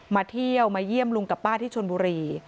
มาเที่ยวมาเยี่ยมลุงกับป้าที่ชนบุรี